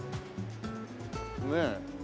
ねえ。